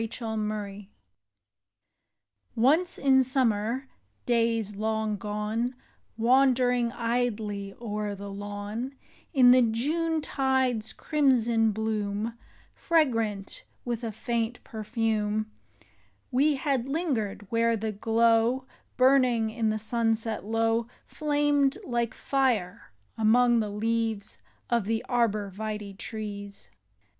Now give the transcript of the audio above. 73 ARBOR VIT^. NCE in summer days long gone, Wandering, idly, o'er the lawn, In the Junetide's crimson bloom, Fragrant with a faint perfume, We had lingered where the glow Burning in the sunset low Flamed like fire among the leaves Of the arbor vitae trees.